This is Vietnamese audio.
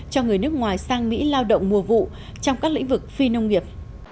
cho người nước ngoài sang mỹ lao động mùa vụ trong các lĩnh vực phi nông nghiệp